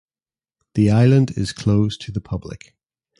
The island is closed to the public.